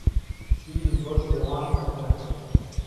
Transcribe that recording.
Şîr û goştê wan dixwin.